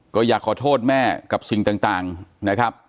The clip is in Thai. ก็อยากขอโทษแม่กับสิ่งต่างนะครับ